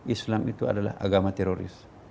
islam itu adalah agama teroris